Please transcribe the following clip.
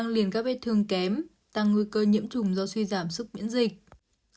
liền các vết thương kém tăng nguy cơ nhiễm trùng do suy giảm súc miễn dịch